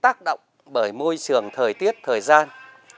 nó bị tác động bởi môi trường thời tiết thời gian